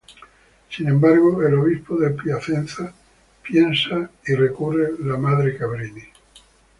Sin embargo, el obispo de Piacenza piensa y recurre la Madre Cabrini.